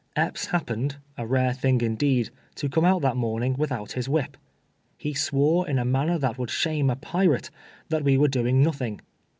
Epps happened (a rare thing, indeed,) to come out that niornini:; without his wliip. lie swore, in a manner that woiihl slianie a pirate, that we were do ing notliing.